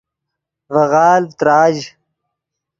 ڤے غالڤ تراژ